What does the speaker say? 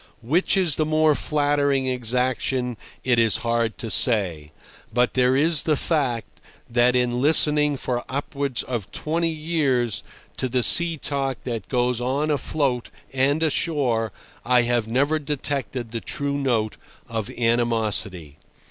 Which is the more flattering exaction it is hard to say; but there is the fact that in listening for upwards of twenty years to the sea talk that goes on afloat and ashore I have never detected the true note of animosity.